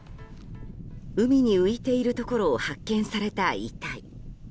海に浮いているところを発見された遺体。